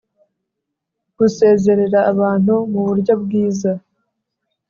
gusezerera abantu muburyo bwiza